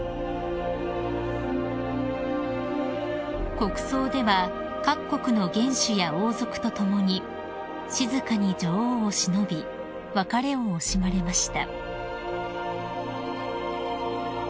［国葬では各国の元首や王族と共に静かに女王をしのび別れを惜しまれました］